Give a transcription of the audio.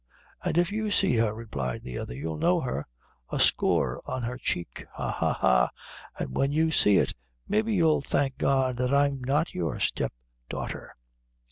"An' if you see her," replied the other, "you'll know her; a score on her cheek ha, ha, ha; an' when you see it, maybe you'll thank God that I am not your step daughter."